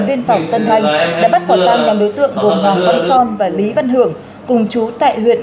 biên phòng tân thanh đã bắt quả tang nhóm đối tượng gồm hoàng văn son và lý văn hưởng cùng chú tại huyện